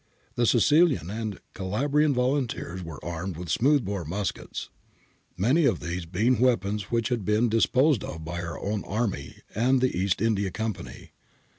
The Sicilian and Calabrian volunteers were armed with smooth bore muskets, many of these being weapons which had been dis posed of by our own Army and the East India Company.